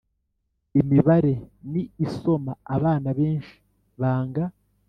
imibare ni isoma abana benshi banga